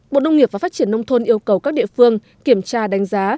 bộ nông nghiệp và phát triển nông thôn yêu cầu các địa phương kiểm tra đánh giá